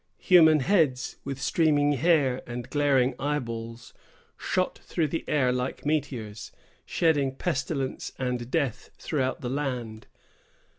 Human heads, with streaming hair and glaring eyeballs, shot through the air like meteors, shedding pestilence and death throughout the land.